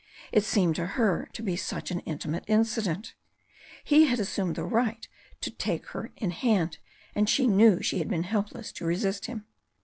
It seemed to her to be such an intimate incident. He had assumed the right to take her in hand, and she knew she had been helpless to resist him.